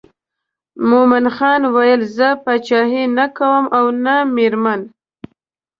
مومن خان ویل زه پاچهي نه کوم او نه مېرمن.